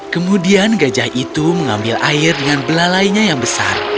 kemudian gajah itu mengambil air dengan belalainya yang besar